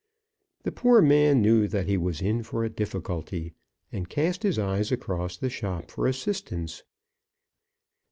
The poor man knew that he was in a difficulty, and cast his eyes across the shop for assistance.